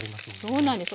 そうなんです。